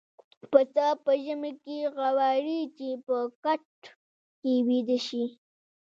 پسه په ژمي کې غواړي چې په کټ کې ويده شي.